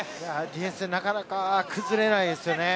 ディフェンスがなかなか崩れないですよね。